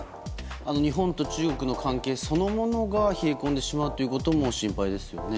日本と中国の関係そのものが冷え込んでしまうということも心配ですよね。